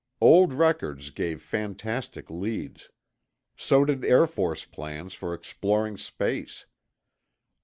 Old records gave fantastic leads. So did Air Force plans for exploring space.